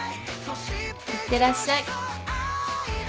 いってらっしゃい